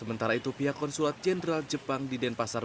sementara itu pihak konsulat jenderal jepang di denpasar